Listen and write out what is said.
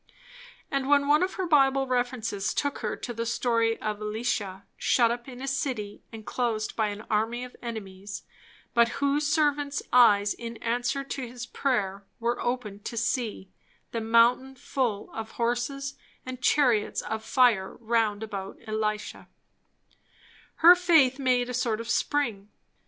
And when one of her Bible references took her to the story of Elisha, shut up in a city enclosed by an army of enemies, but whose servant's eyes in answer to his prayer were opened to see "the mountain full of horses and chariots of fire round about Elisha" her faith made a sort of spring.